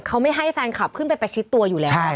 เขาไม่ให้แฟนคลับขึ้นไปประชิดตัวอยู่แล้ว